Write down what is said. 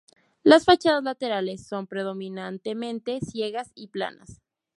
Las fachadas laterales son predominantemente ciegas y planas.